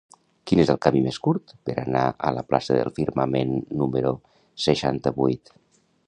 Quin és el camí més curt per anar a la plaça del Firmament número seixanta-vuit?